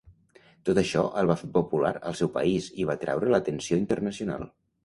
Tot això el va fer popular al seu país i va atreure l'atenció internacional.